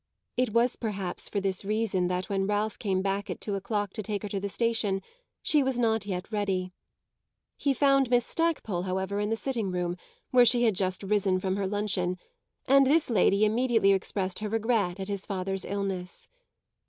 It was perhaps for this reason that when Ralph came back at two o'clock to take her to the station she was not yet ready. He found Miss Stackpole, however, in the sitting room, where she had just risen from her luncheon, and this lady immediately expressed her regret at his father's illness.